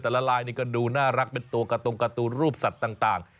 แต่ละลายนี้ก็ดูน่ารักเป็นตัวการ์ตูนรูปสัตว์ต่าง